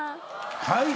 はい。